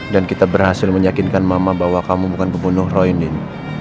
dan kita berhasil menyakinkan mama bahwa kamu bukan pembunuh roynin